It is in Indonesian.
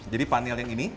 jadi panel yang ini